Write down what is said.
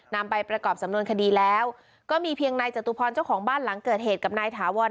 นำไปประกอบสำนวนคดีแล้วก็มีเพียงนายจตุพรเจ้าของบ้านหลังเกิดเหตุกับนายถาวร